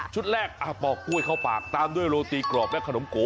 แรกปอกกล้วยเข้าปากตามด้วยโรตีกรอบและขนมโก